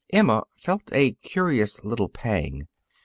Emma felt a curious little pang.